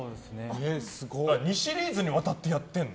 ２シリーズにわたってやってるの？